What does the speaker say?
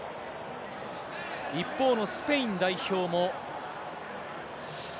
一方のスペイン代表も。